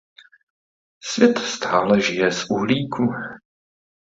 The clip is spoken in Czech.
Svět stále žije z uhlíku.